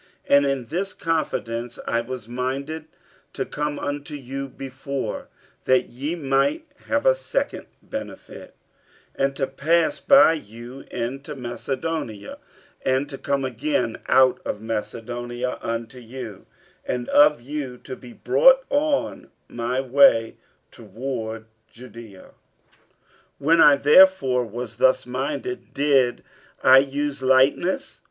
47:001:015 And in this confidence I was minded to come unto you before, that ye might have a second benefit; 47:001:016 And to pass by you into Macedonia, and to come again out of Macedonia unto you, and of you to be brought on my way toward Judaea. 47:001:017 When I therefore was thus minded, did I use lightness?